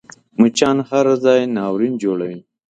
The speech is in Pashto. مچان هر ځای ناورین جوړوي